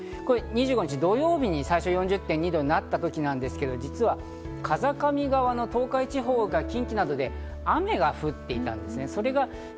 ２５日、土曜日に最初に４０．２度になったときには実は風上側の東海地方や近畿などで雨が降っていたんですね。